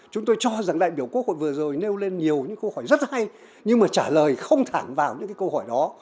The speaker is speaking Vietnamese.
chúng tôi cho rằng đại biểu quốc hội vừa rồi nêu lên nhiều những câu hỏi rất hay nhưng mà trả lời không thẳng vào những cái câu hỏi đó